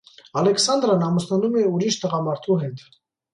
Ալեքսանդրան ամուսնանում է ուրիշ տղամարդու հետ։